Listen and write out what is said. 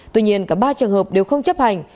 tuy nhiên cả ba trường hợp đều không chấp hành